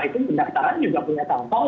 itu pindah ke taran juga punya tanggung